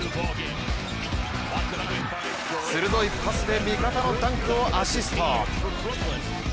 鋭いパスで味方のダンクをアシスト。